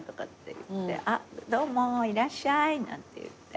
「どうもいらっしゃい」なんて言って。